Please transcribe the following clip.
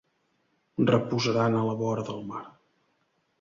Reposaran a la vora del mar.